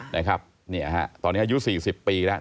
นะครับตอนนี้อายุ๔๐ปีแล้ว